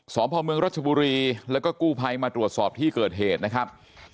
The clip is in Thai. พ่อเมืองรัชบุรีแล้วก็กู้ภัยมาตรวจสอบที่เกิดเหตุนะครับ